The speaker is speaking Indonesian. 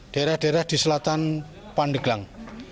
daerah daerah di selatan pandeglang